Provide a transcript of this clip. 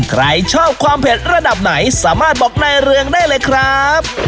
ใครชอบความเผ็ดระดับไหนสามารถบอกนายเรืองได้เลยครับ